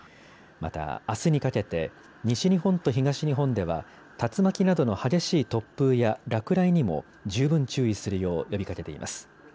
また、あすにかけて西日本と東日本では竜巻などの激しい突風や落雷にも十分注意するよう呼びかけています。